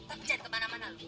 tapi cari kemana mana lu